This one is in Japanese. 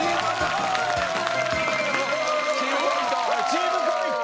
チームポイント。